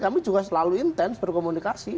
kami juga selalu intens berkomunikasi